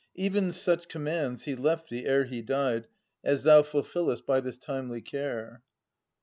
Even such commands he left thee ere he died As thou fulfillest by this timely care.